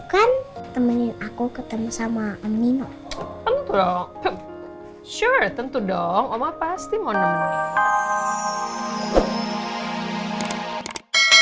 kan temenin aku ketemu sama amino tentu dong sure tentu dong om pasti mau nemenin